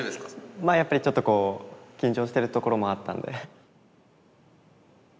まあやっぱりちょっとこう緊張してるところもあったんで。